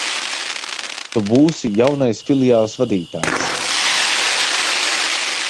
Tu būsi jaunais filiāles vadītājs.